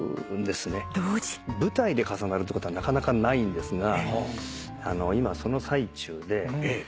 舞台で重なるってことはなかなかないんですが今その最中で。